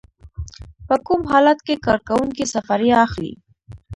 په کوم حالت کې کارکوونکی سفریه اخلي؟